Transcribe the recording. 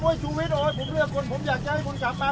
โอ้ยชูวิตโอ้ยผมเลือกคนผมอยากจะให้คุณกลับมา